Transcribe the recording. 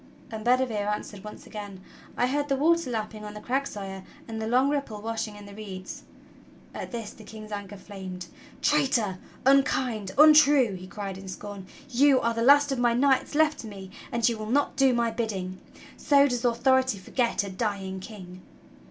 And Bedivere answered once again: "I heard the water lapping on the crags. Sire, and the long ripple washing in the reeds." At this the King's anger flamed. "Traitor, unkind, untrue!" he cried in scorn, "you are the last of my knights left to me and you will not do my bidding. So does authority forget a dying king!"